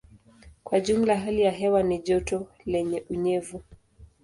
Kwa jumla hali ya hewa ni joto lenye unyevu.